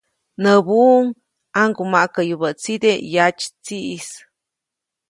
Näbuʼuŋ ‒ʼaŋgumaʼkäyubäʼtside yatsytsiʼis‒.